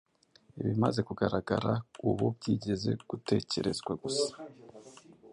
Ibimaze kugaragara ubu byigeze gutekerezwa gusa.